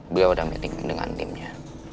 beliau sudah meeting dengan timnya